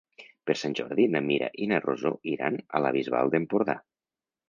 Per Sant Jordi na Mira i na Rosó iran a la Bisbal d'Empordà.